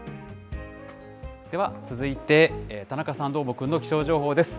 では続いて、田中さん、どーもくんの気象情報です。